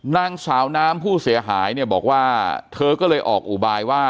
นางสาวน้ำผู้เสียหายเนี่ยบอกว่าเธอก็เลยออกอุบายว่า